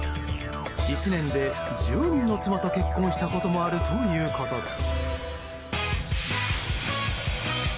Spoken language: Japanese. １年で１０人の妻と結婚したこともあるということです。